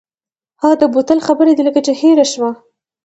ها د بوتل خبره دې لکه چې هېره شوه.